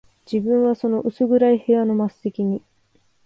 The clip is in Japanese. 自分はその薄暗い部屋の末席に、